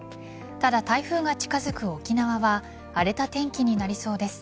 ただ台風が近づく沖縄は荒れた天気になりそうです。